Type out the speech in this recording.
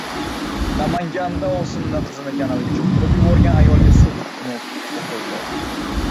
Namaganda ovsinining qizini kanalga cho‘ktirib yuborgan ayolga sud hukmi o‘qildi